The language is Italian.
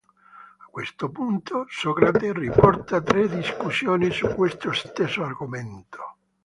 A questo punto, Socrate riporta tre discussioni su questo stesso argomento.